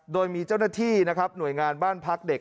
โดยมีเจ้าหน้าที่นะครับหน่วยงานบ้านพักเด็ก